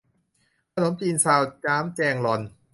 ขนมจีนซาวน้ำแจงลอน